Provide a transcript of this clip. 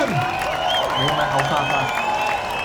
你咪口花花